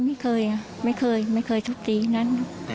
ไม่ไม่เคยไม่เคยทุกตีนั้น